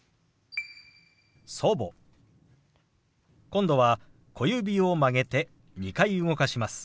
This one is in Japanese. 今度は小指を曲げて２回動かします。